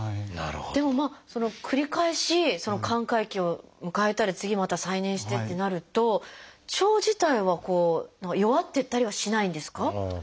でも繰り返し寛解期を迎えたり次また再燃してってなると腸自体はこう弱ってったりはしないんですか？